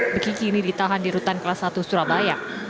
bekiki ini ditahan di rutan kelas satu surabaya